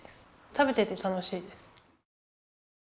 食べてて楽しいです。